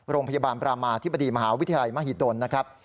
โรงพยาบาลประมาธิบดีมหาวิทยาลัยมหิดลนะครับ